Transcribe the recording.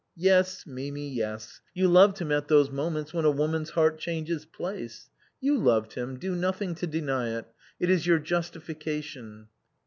" Yes, Mimi, yes. You loved him at those moments when a woman's heart changes place. You loved him; do nothing to deny it; it is your justification."